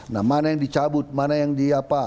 nah mana yang dicabut mana yang di apa